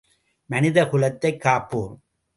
மனித குலத்தைக் காப்போம்.